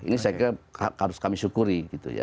ini saya kira harus kami syukuri gitu ya